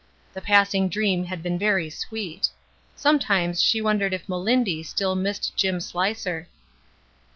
The passing dream had been very sweet. Sometimes she wondered if Melindy still missed Jim Sheer.